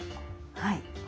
はい。